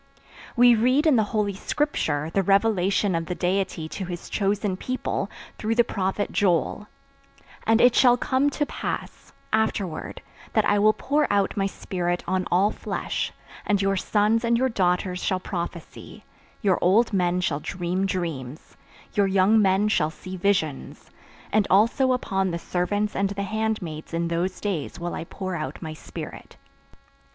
We read in the Holy Scripture the revelation of the Deity to His chosen people, through the prophet Joel: "And it shall come to pass, afterward, that I will pour out My Spirit on all flesh, and your sons and your daughters shall prophesy, your old men shall dream dreams, your young men shall see visions, and also upon the servants and the handmaids in those days will I pour out My Spirit."